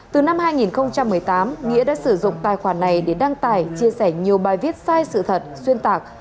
từ năm hai nghìn một mươi tám nghĩa đã sử dụng tài khoản này để đăng tải chia sẻ nhiều bài viết sai sự thật xuyên tạc